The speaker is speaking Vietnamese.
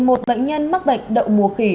một bệnh nhân mắc bệnh đậu mùa khỉ